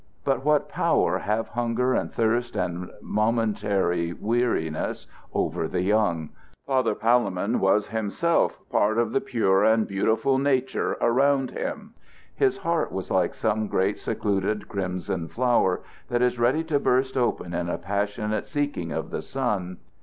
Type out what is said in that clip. But what power have hunger and thirst and momentary weariness over the young? Father Palemon was himself part of the pure and beautiful nature around him. His heart was like some great secluded crimson flower that is ready to burst open in a passionate seeking of the sun.